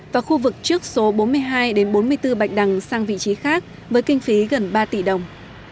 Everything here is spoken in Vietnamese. và khu vực trước số bốn mươi hai bốn mươi bốn bạch đằng sang vị trí khác với kinh phí gần ba tỷ đồng